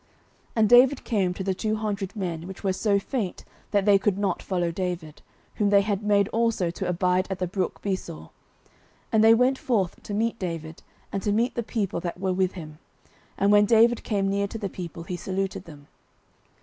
09:030:021 And David came to the two hundred men, which were so faint that they could not follow David, whom they had made also to abide at the brook Besor: and they went forth to meet David, and to meet the people that were with him: and when David came near to the people, he saluted them.